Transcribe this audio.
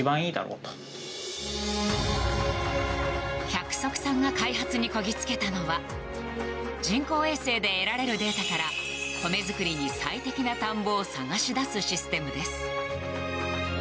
百束さんが開発にこぎつけたのは人工衛星で得られるデータから米作りに最適な田んぼを探し出すシステムです。